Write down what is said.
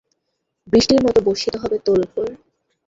বৃষ্টির মতো বর্ষিত হবে তোর উপর।